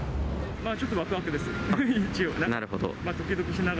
ちょっとわくわくです。